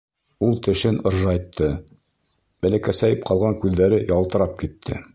Ул тешен ыржайтты, бәләкәсәйеп ҡалған күҙҙәре ялтырап китте.